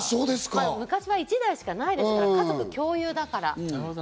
昔は１台しかないですから、家族共有だから。